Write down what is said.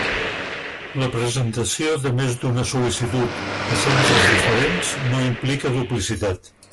La presentació de més d'una sol·licitud a centres diferents no implica duplicitat.